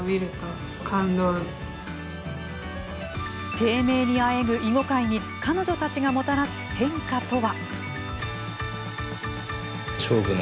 低迷にあえぐ囲碁界に彼女たちがもたらす変化とは。